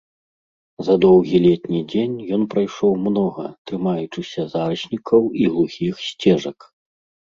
За доўгі летні дзень ён прайшоў многа, трымаючыся зараснікаў і глухіх сцежак.